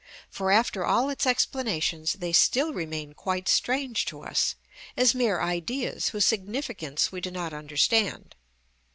For, after all its explanations, they still remain quite strange to us, as mere ideas whose significance we do not understand.